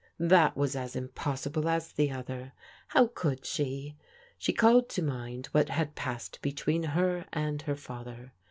That was as impossible as the other. How could she? She called to mind what had passed between her and her father.